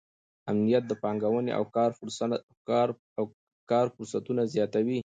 امنیت د پانګونې او کار فرصتونه زیاتوي.